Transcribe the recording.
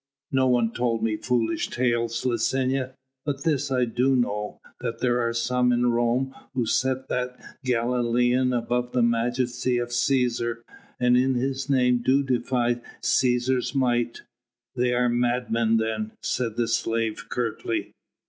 "No one told me foolish tales, Licinia. But this I do know, that there are some in Rome who set that Galilean above the majesty of Cæsar, and in his name do defy Cæsar's might." "They are madmen then," said the slave curtly.